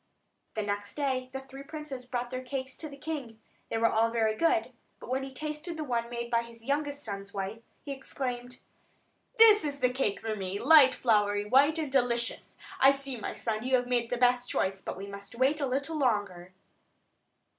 The next day the three princes brought their cakes to the king. They were all very good; but when he tasted the one made by his youngest son's wife, he exclaimed: "That is the cake for me! light, floury, white, and delicious! I see, my son, you have made the best choice; but we must wait a little longer."